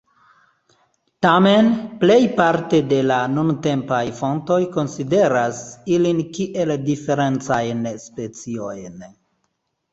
Tamen, plejparte de la nuntempaj fontoj konsideras ilin kiel diferencajn speciojn.